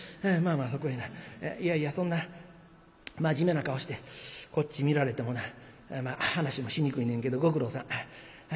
まあまあそこへないやいやそんな真面目な顔してこっち見られてもな話もしにくいねんけどご苦労さん。